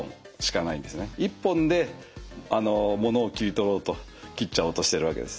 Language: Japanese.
１本でものを切り取ろうと切っちゃおうとしてるわけです。